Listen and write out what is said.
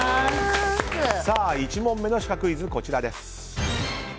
１問目のシカクイズ、こちらです。